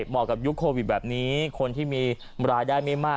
กับยุคโควิดแบบนี้คนที่มีรายได้ไม่มาก